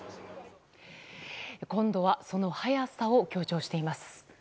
今度はその速さを強調しています。